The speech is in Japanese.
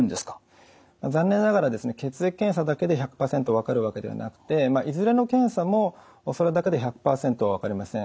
残念ながら血液検査だけで１００％分かるわけではなくていずれの検査もそれだけで１００％は分かりません。